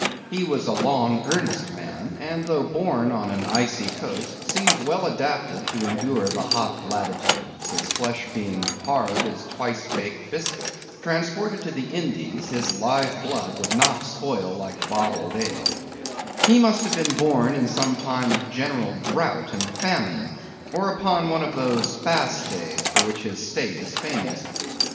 He was a long, earnest man, and though born on an icy coast, seemed well adapted to endure hot latitudes, his flesh being hard as twice baked biscuit. Transported to the Indies, his live blood would not spoil like bottled ale. He must have been born in some time of general drought and famine, or upon one of those fast days for which his state is famous.